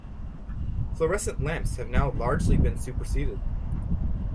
Fluorescent lamps have now largely been superseded